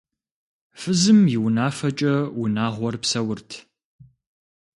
Фызым и унафэкӏэ унагъуэр псэурт.